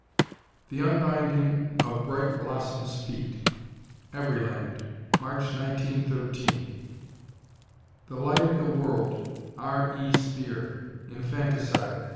"The Unbinding of Bright Blossom's Feet," Everyland, March, 1913. The Light of the World, R. E. Speer, Infanticide, pp.